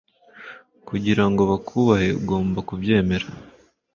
kugira ngo bakubahe ugomba kubyemera